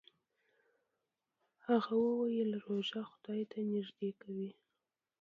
هغه وویل چې روژه خدای ته نژدې کوي.